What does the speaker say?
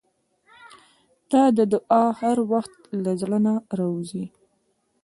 • ته د دعا هر وخت له زړه نه راووځې.